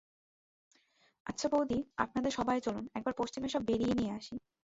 -আচ্ছা বৌদি, আপনাদের সবাই চলুন, একবার পশ্চিমে সব বেড়িয়ে নিয়ে আসি।